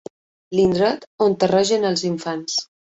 L'indret on terregen els infants.